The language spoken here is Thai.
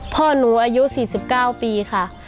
พ่อหนูอายุ๔๙ปีค่ะ